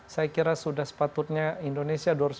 saya kira sudah sepatutnya indonesia